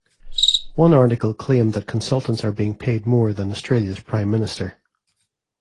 One article claimed that consultants are being paid more than Australia's Prime Minister.